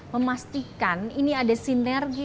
memastikan ini ada sinergi